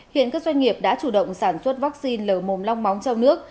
hiện các doanh nghiệp đã chủ động sản xuất vaccine lờ mồm long móng trong nước